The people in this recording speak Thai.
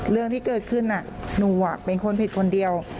เรื่องที่เกิดขึ้นหนูเป็นคนผิดคนเดียว